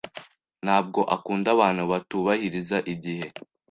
Ntabwo akunda abantu batubahiriza igihe.